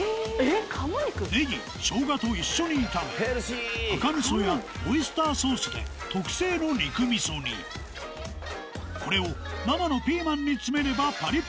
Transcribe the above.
ネギ生姜と一緒に炒め赤味噌やオイスターソースで特製の肉味噌にこれを生のピーマンに詰めればパリＰ